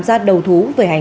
giác đầu thú